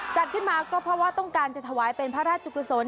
จัดขึ้นมาก็เพราะว่าต้องการจะถวายเป็นพระราชกุศล